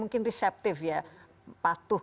mungkin reseptif ya patuh